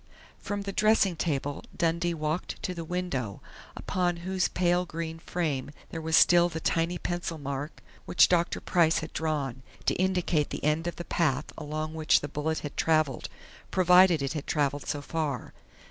From the dressing table Dundee walked to the window, upon whose pale green frame there was still the tiny pencil mark which Dr. Price had drawn, to indicate the end of the path along which the bullet had traveled, provided it had traveled so far.